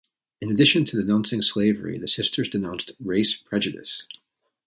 In addition to denouncing slavery, the sisters denounced race prejudice.